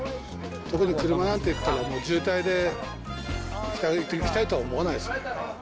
特に車なんていったら渋滞で行きたいとは思わないですね。